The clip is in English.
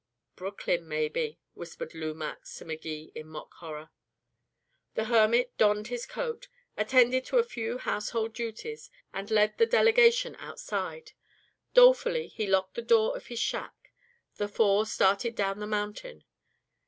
"Brooklyn, maybe," whispered Lou Max to Magee in mock horror. The hermit donned his coat, attended to a few household duties, and led the delegation outside. Dolefully he locked the door of his shack. The four started down the mountain.